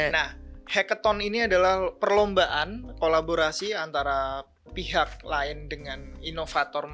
nah hacketon ini adalah perlombaan kolaborasi antara pihak lain dengan inovator